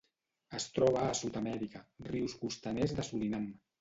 Es troba a Sud-amèrica: rius costaners de Surinam.